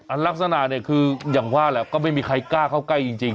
ลักษณะเนี่ยคืออย่างว่าแหละก็ไม่มีใครกล้าเข้าใกล้จริง